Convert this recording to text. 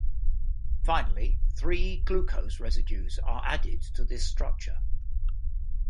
Finally, three glucose residues are added to this structure.